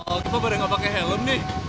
oh kita pada gak pakai helm nih